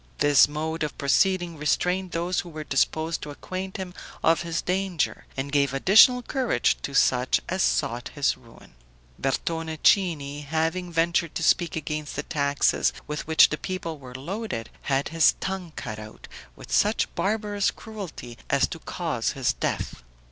This mode of proceeding restrained those who were disposed to acquaint him of his danger and gave additional courage to such as sought his ruin. Bertone Cini, having ventured to speak against the taxes with which the people were loaded, had his tongue cut out with such barbarous cruelty as to cause his death.